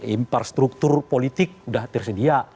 infrastruktur politik udah tersedia